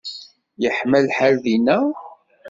Yeḥma lḥal dinna?